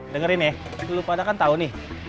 dengerin ya lu padahal tau nih